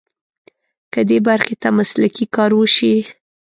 که دې برخې ته مسلکي کار وشي.